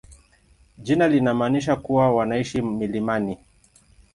Jina linamaanisha kuwa wanaishi milimani.